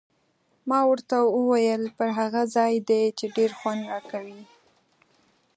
ما ورته وویل: پر هغه ځای دې، چې ډېر خوند راکوي.